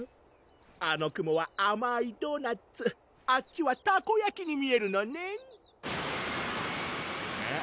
あの雲はあまいドーナツあっちはたこやきに見えるのねんうん？